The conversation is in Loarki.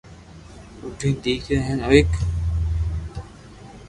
او ِٺین نیڪریو ھین ایڪ